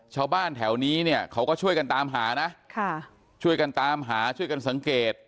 ชาวบ้านแถวนี้เนี่ยเขาก็ช่วยกันตามหานะช่วยกันตามหาช่วยกันสังเกต